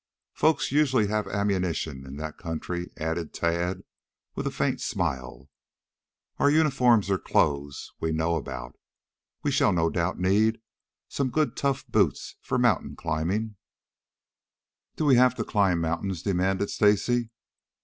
Folks usually have ammunition in that country," added Tad, with a faint smile. "Our uniforms or clothes we know about. We shall no doubt need some good tough boots for mountain climbing " "Do we have to climb mountains?" demanded Stacy.